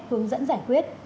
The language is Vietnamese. hướng dẫn giải quyết